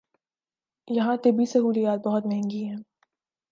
یہاں طبی سہولیات بہت مہنگی ہیں۔